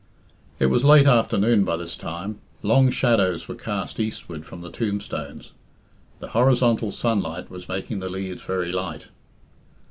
It was late afternoon by this time. Long shadows were cast eastward from the tombstones; the horizontal sunlight was making the leaves very light.